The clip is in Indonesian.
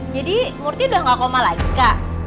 jadi murthy udah gak koma lagi kak